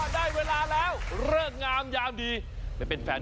แจกร้านไทยทุกวันแจกร้านทุกเดือน